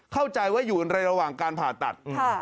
เข้าใจว่าอยู่ในระหว่างการผ่าตัด